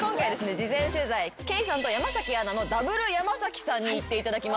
事前取材ケイさんと山アナのダブル山さんに行っていただきました。